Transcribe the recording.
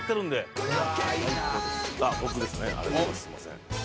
すみません。